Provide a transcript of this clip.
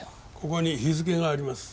ここに日付があります。